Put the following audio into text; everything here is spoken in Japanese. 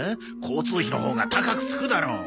交通費のほうが高くつくだろ。